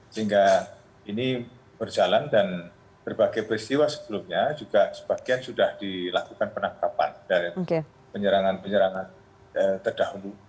sehingga ini berjalan dan berbagai peristiwa sebelumnya juga sebagian sudah dilakukan penangkapan dan penyerangan penyerangan terdahulu